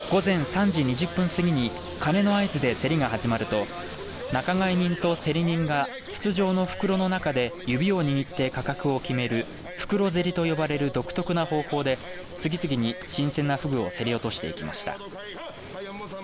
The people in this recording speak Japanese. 午前３時２０分過ぎに鐘の合図で競りが始まると仲買人と競り人が筒状の袋の中で指を握って価格を決める袋競りと呼ばれる独特な方法で次々に新鮮なふぐを競り落としていきました。